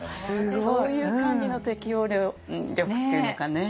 そういう感じの適応力っていうのかねすごいですよね。